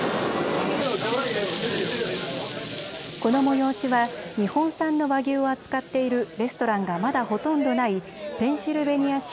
この催しは日本産の和牛を扱っているレストランがまだほとんどないペンシルベニア州